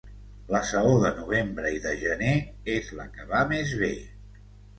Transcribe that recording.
La saó de novembre i de gener és la que va més bé.